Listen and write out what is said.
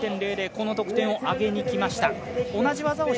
この得点を上げにきました。